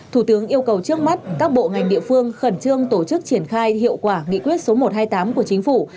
thủ tướng yêu cầu trước mắt các bộ ngành địa phương khẩn trương tổ chức triển khai hiệu quả nghị quyết số một trăm hai mươi tám của chính phủ